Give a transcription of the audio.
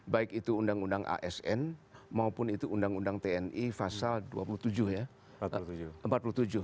baik itu undang undang asn maupun itu undang undang tni pasal dua puluh tujuh ya